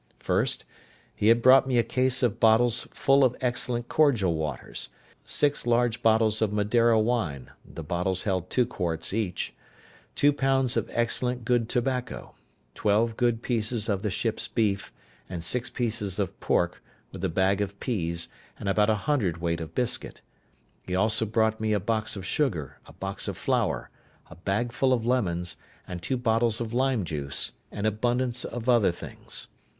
First, he had brought me a case of bottles full of excellent cordial waters, six large bottles of Madeira wine (the bottles held two quarts each), two pounds of excellent good tobacco, twelve good pieces of the ship's beef, and six pieces of pork, with a bag of peas, and about a hundred weight of biscuit; he also brought me a box of sugar, a box of flour, a bag full of lemons, and two bottles of lime juice, and abundance of other things.